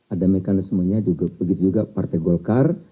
ada mekanismenya juga begitu juga partai golkar